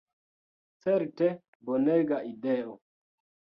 Certe bonega ideo.